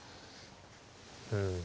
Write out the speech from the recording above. うん。